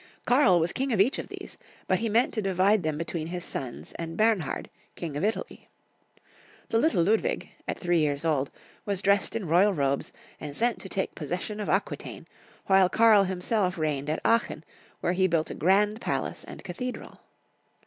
Karl was king of each of these, but he meant to divide them between his sons and Bernhard, * king of Italy. The little Ludwig, at three years old, was dressed in royal robes and sent to take possession of Aquitaine, while Karl himself reigned at Aachen, where he built a grand palace and cathedral.